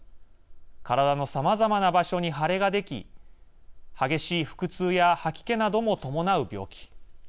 体のさまざまな場所に腫れができ激しい腹痛や吐き気なども伴う病気。